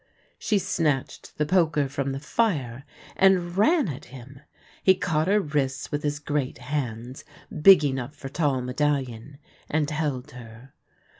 She snatched the poker from the fire, and ran at him. He caught her wrists with his great hands, big enough for tall Medallion, and held her.